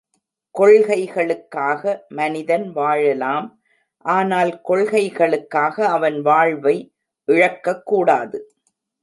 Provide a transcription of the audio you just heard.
கொள்கைகளுக்காக மனிதன் வாழலாம் ஆனால் கொள்கைக்காக அவன் வாழ்வை இழக்கக்கூடாது.